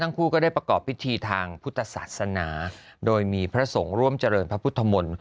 คู่ก็ได้ประกอบพิธีทางพุทธศาสนาโดยมีพระสงฆ์ร่วมเจริญพระพุทธมนตร์